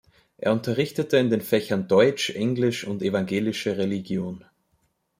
Er unterrichtete in den Fächern Deutsch, Englisch und Evangelische Religion.